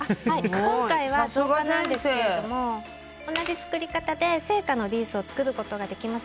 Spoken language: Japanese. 今回は造花なんですが同じ作り方で生花のリースを作ることができます。